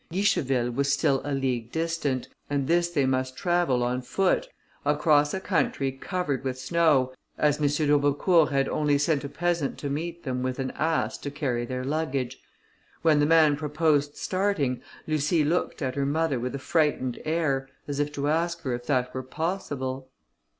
Guicheville was still a league distant, and this they must travel on foot, across a country covered with snow, as M. d'Aubecourt had only sent a peasant to meet them with an ass to carry their luggage. When the man proposed starting, Lucie looked at her mother with a frightened air, as if to ask her if that were possible.